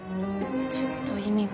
ちょっと意味が。